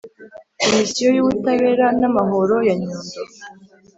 Komisiyo y’Ubutabera n’Amahoro ya Nyundo